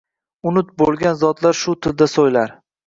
Unut bulgan zotlar shu tilda so’ylar…